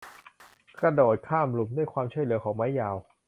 กระโดดข้ามหลุมด้วยความช่วยเหลือของไม้ยาว